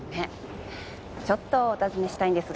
ちょっとお尋ねしたいんですが。